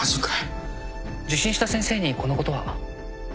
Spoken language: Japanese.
受診した先生にこのことは？